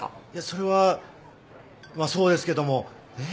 それはまあそうですけども。